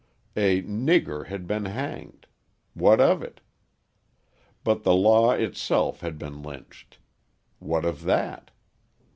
A "nigger" had been hanged: what of it? But the law itself had been lynched. What of that?